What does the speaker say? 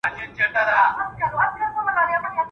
دا د افغان د لوی ټبر مېنه ده.